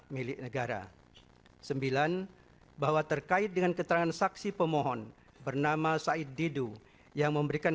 milik negara sembilan bahwa terkait dengan keterangan saksi pemohon bernama said didu yang memberikan